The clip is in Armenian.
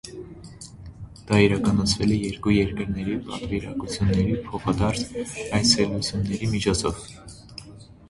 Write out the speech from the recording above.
Դա իրականացվել է երկու երկրների պատվիրակությունների փոխադարձ այցելությունների միջոցով։